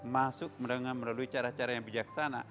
masuk melalui cara cara yang bijaksana